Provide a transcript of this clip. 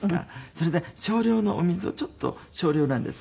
それで少量のお水をちょっと少量なんです。